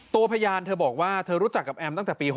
ตัวพยานเธอบอกว่าเธอรู้จักกับแอมตั้งแต่ปี๖๐